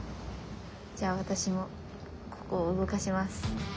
じゃあ私もここを動かします。